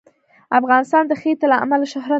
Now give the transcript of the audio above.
افغانستان د ښتې له امله شهرت لري.